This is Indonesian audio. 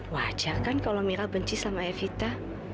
wajah kan kalau mira benci sama evita